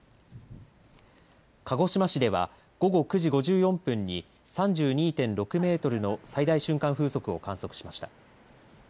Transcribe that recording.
鹿児島市では、午後９時５４分に３２．６メートルの最大瞬間風速を観測しました。